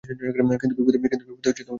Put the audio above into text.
কিন্তু বিপদে তো ফেলেই দিয়েছ।